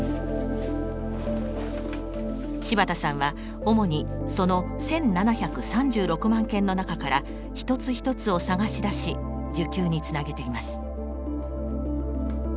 柴田さんは主にその１，７３６万件の中から一つ一つを探し出し受給につなげています。